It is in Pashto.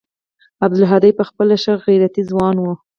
عبدالهادي پخپله ښه غيرتي ځوان و.